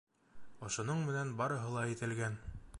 Ошоноң менән барыһы ла әйтелгән.